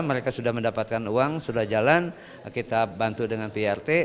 mereka sudah mendapatkan uang sudah jalan kita bantu dengan prt